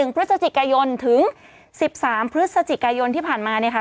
พฤศจิกายนถึง๑๓พฤศจิกายนที่ผ่านมาเนี่ยค่ะ